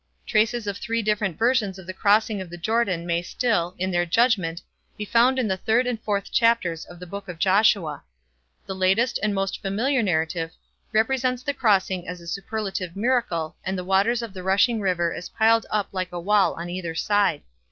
Traces of three different versions of the crossing of the Jordan may still, in their judgment, be found in the third and fourth chapters of the book of Joshua. The latest and most familiar narrative represents the crossing as a superlative miracle and the waters of the rushing river as piled up like a wall on either side.